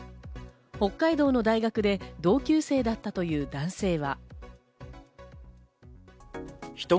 北海道の大学で同級生だったという男性は。